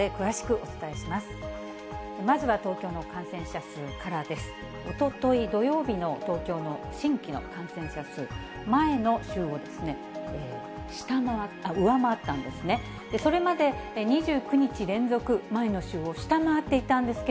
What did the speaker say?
おととい土曜日の東京の新規の感染者数、前の週を上回ったんですね。